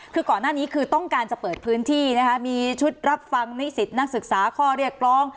คือก่อนหน้านี้คือต้องการจะเปิดพื้นที่นะคะมีชุดรับฟังนิสิตนักศึกษาข้อเรียกร้อง